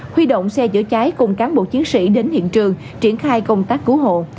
huy động xe chữa cháy cùng cán bộ chiến sĩ đến hiện trường triển khai công tác cứu hộ